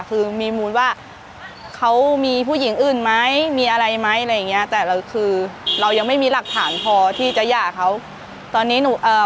คือมีมูลว่าเขามีผู้หญิงอื่นไหมมีอะไรไหมอะไรอย่างเงี้ยแต่เราคือเรายังไม่มีหลักฐานพอที่จะหย่าเขาตอนนี้หนูเอ่อ